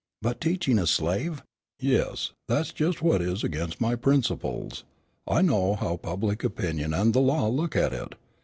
"But teaching a slave " "Yes, that's just what is against my principles. I know how public opinion and the law look at it.